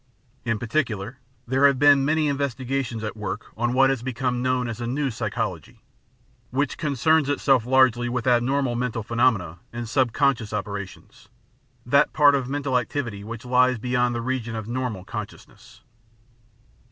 In particular there have been many investigators at work on what has become known as the New Psychology, which concerns itself largely with abnormal mental phenomena and subconscious operations — ^that part of mental activity which lies beyond the region of normal conscious ness.